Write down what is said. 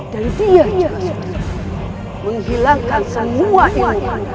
dan dia juga sudah menghilangkan semua ilmu ilmu